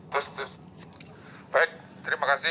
baik terima kasih